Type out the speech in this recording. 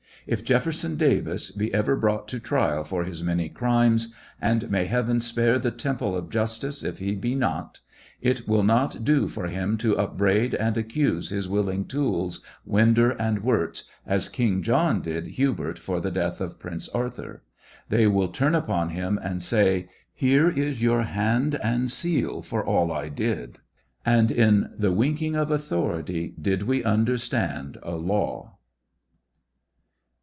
If Jefferson Davis be ever brought to trial for his many crimes — and may Heaven spare the temple of jus tice if he be not— it will not do for him to upbraid and accuse his willing tools, Winder and Wirz, as King Jolm did Hubert for the death of Prince Authur ; they will turn upon him and say, " Here is your band and seal for all I did." And in the winking of authority, did we understand a law.